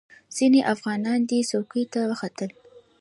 ځینې افغانان دې څوکې ته وختل.